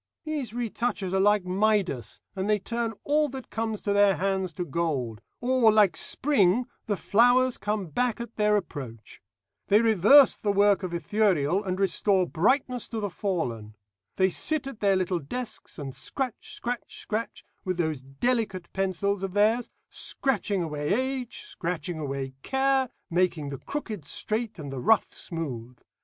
These retouchers are like Midas, and they turn all that comes to their hands to gold; or, like Spring, the flowers come back at their approach. They reverse the work of Ithuriel, and restore brightness to the fallen. They sit at their little desks, and scratch, scratch, scratch with those delicate pencils of theirs, scratching away age, scratching away care, making the crooked straight, and the rough smooth.